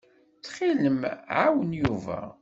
Ttxil-m, ɛawen Yuba.